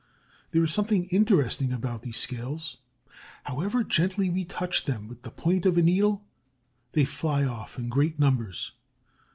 There is something interesting about these scales. However gently we touch them with the point of a needle, they fly off in great numbers.